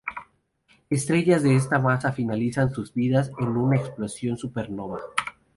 Estrellas de esta masa finalizan sus vidas en una explosión de supernova.